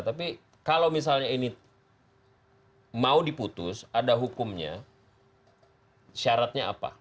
tapi kalau misalnya ini mau diputus ada hukumnya syaratnya apa